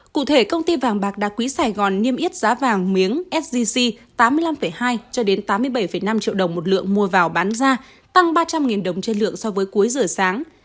cụ thể công ty vàng bạc đa quý sài gòn niêm yết giá vàng miếng sgc tám mươi năm hai cho đến tám mươi bảy năm triệu đồng một lượng mua vào bán ra tăng ba trăm linh đồng trên lượng so với cuối giờ sáng